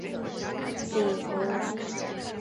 比如